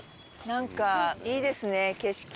なんかいいですね景色。